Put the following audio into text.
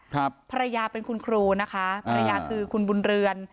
ภรรยาเป็นคุณครูนะคะภรรยาคือคุณบุญเรือน